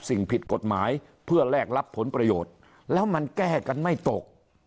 สิ่งผิดกฎหมายเพื่อแลกรับผลประโยชน์แล้วมันแก้กันไม่ตก